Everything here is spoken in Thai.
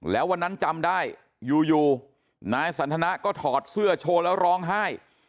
แล้ววันนั้นจำได้อยู่นายสันทนาก็ถอดเสื้อโชว์แล้วร้องไห้